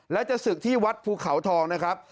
และจะศึกที่วัดภูเขาทองนะครับ